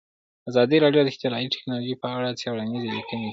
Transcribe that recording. ازادي راډیو د اطلاعاتی تکنالوژي په اړه څېړنیزې لیکنې چاپ کړي.